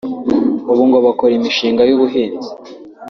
ubu ngo bakora imishinga y’ubuhinzi